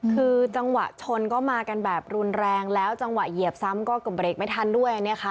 คือจังหวะชนก็มากันแบบรุนแรงแล้วจังหวะเหยียบซ้ำก็เกือบเบรกไม่ทันด้วยเนี่ยค่ะ